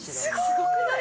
すごくない？